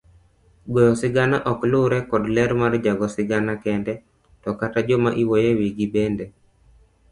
Goyo sigana okluore kod ler mar jago sigana kende, to kata jomaiwuoyo ewigi bende